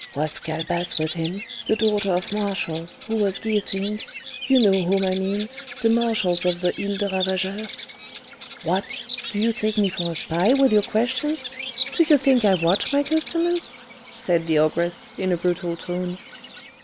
"Was Calebasse with him, the daughter of Martial, who was guillotined? You know whom I mean, the Martials of the Ile de Ravageur?" "What! do you take me for a spy, with your questions? Do you think I watch my customers?" said the ogress, in a brutal tone.